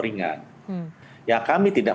ringan ya kami tidak